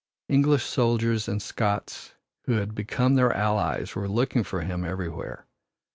English soldiers and Scots who had become their allies were looking for him everywhere.